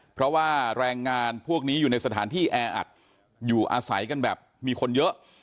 เพราะว่าแรงงานพวกนี้อยู่ในสถานที่แออัดอยู่อาศัยกันแบบมีคนเยอะ